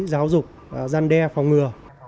giáo dục gian đe phòng ngừa